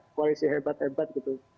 koalisi hebat hebat gitu